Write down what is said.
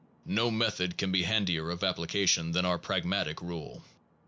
No method can be handier of application than our pragmatic rule.